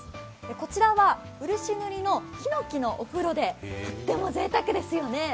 こちらは漆塗りのひのきのお風呂で、とってもぜいたくですよね。